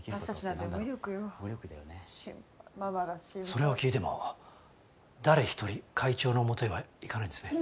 それを聞いても誰ひとり会長のもとへは行かないんですね。